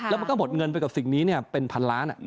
แล้วมันก็หมดเงินไปกับสิ่งนี้เป็นพันล้าน